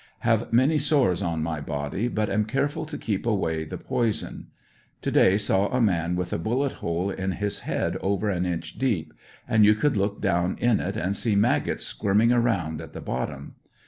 Have many sores on my body, but am careful to keep away the poison. To day saw a man with a bullet hole in his head over an inch deep, and you could look down in it and see maggots squirming around at the bottom.